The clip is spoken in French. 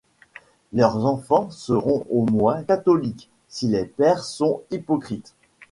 Leurs enfants seront au moins catholiques, si les pères sont hypocrites.